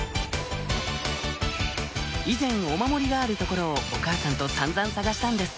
以前お守りがある所をお母さんと散々探したんです